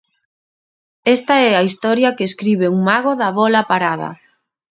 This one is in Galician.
Esta é a historia que escribe un mago da bola parada.